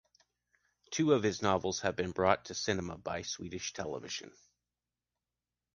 Two of his novels have been brought to the cinema by Swedish Television.